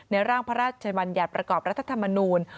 ในร่างพระราชญะวัณธุ์ประกอบรัฐธรรมนูล